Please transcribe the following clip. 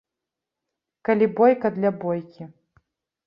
Калі бойка для бойкі.